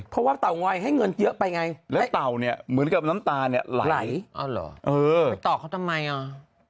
เพราะว่าเตางอยให้เงินเยอะไปไงแล้วเต่าเนี่ยเหมือนกับน้ำตาเนี่ยไหลไปต่อเขาทำไมอ่ะ